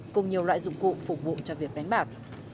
cùng nhiều loại dụng cụ phục vụ cho việc đánh bạc